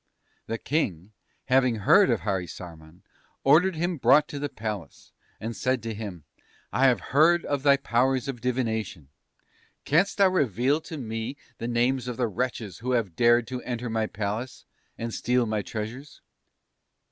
"The King, having heard of Harisarman, ordered him brought to the Palace, and said to him: "'I have heard of thy powers of divination; canst thou reveal to me the names of the wretches who have dared to enter my palace, and steal my treasures?'